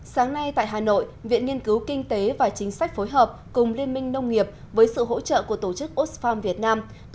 sáng nay tại hà nội viện nghiên cứu kinh tế và chính sách phối hợp cùng liên minh nông nghiệp với sự hỗ trợ của tổ chức osfarm việt nam